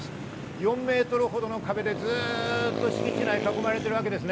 ４メートルほどの壁でずっと敷地内、囲まれているわけです。